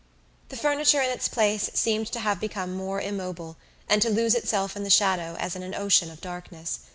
The furniture in its place seemed to have become more immobile, and to lose itself in the shadow as in an ocean of darkness.